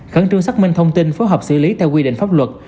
khẩn trương xác minh thông tin phối hợp xử lý theo quy định pháp luật